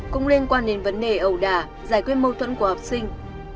cũng liên quan đến vấn đề ẩu đà giải quyết mâu thuẫn của học sinh